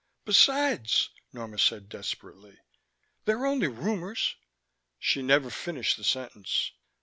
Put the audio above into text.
"Besides," Norma said desperately, "they're only rumors " She never finished her sentence.